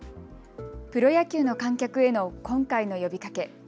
プロ野球の観客への今回の呼びかけ。